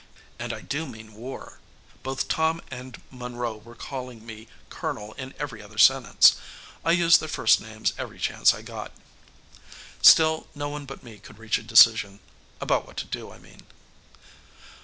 And I do mean war. Both Tom and Monroe were calling me Colonel in every other sentence. I used their first names every chance I got. Still, no one but me could reach a decision. About what to do, I mean.